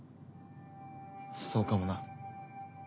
そうかもな。